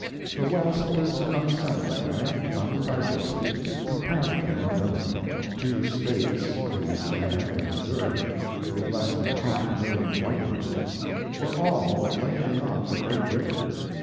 The West was unassembled then, undigested, comparatively unknown. Two States, Louisiana and Missouri, with less than half a million white persons, were all that lay beyond the great river.